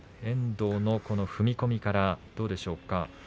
遠藤の踏み込みからどうでしょうか。